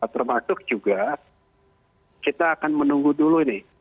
termasuk juga kita akan menunggu dulu nih